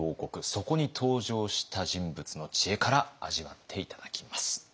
そこに登場した人物の知恵から味わって頂きます。